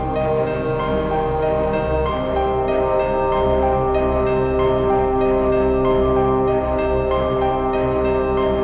dinamai pemain seekor